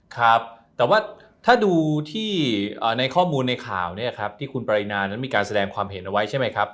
ครับแต่ว่าถ้าดูที่ในข้อมูลในข่าวเนี่ยครับที่คุณปรินานั้นมีการแสดงความเห็นเอาไว้ใช่ไหมครับ